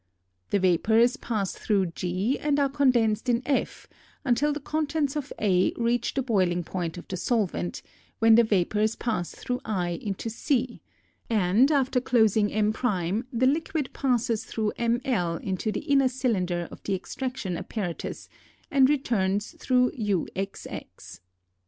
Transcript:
The vapors pass through g and are condensed in f until the contents of A reach the boiling point of the solvent, when the vapors pass through i into C, and after closing m´ the liquid passes through ml into the inner cylinder of the extraction apparatus and returns through uxx.